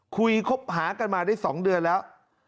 คบหากันมาได้๒เดือนแล้ว